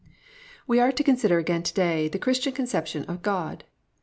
We are to consider again to day the Christian conception of God.